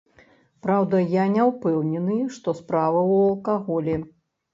Праўда, я не ўпэўнены, што справа ў алкаголі.